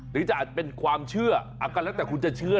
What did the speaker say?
หรือจะอาจเป็นความเชื่อก็แล้วแต่คุณจะเชื่อ